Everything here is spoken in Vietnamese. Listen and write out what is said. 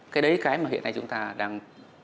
cái đấy cái mà hiện nay chúng ta đang